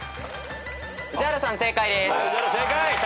宇治原さん正解です。